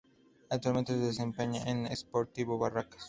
Actualmente se desempeña en Sportivo Barracas.